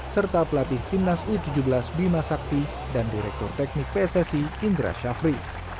serta pelatih timnas u tujuh belas bima sakti dan direktur teknik pssi indra syafri